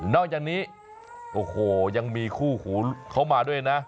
อกจากนี้โอ้โหยังมีคู่หูเขามาด้วยนะ